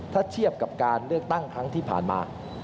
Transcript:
ถ้าเทียบกับการเลือกตั้งครั้งที่ผ่านมา